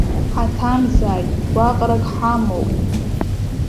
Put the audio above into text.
Ҳаҭамзааит, гәаҟрак ҳамоуп!